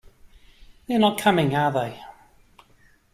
They're not coming, are they?